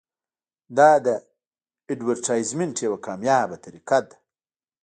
دا د اډورټایزمنټ یوه کامیابه طریقه ده.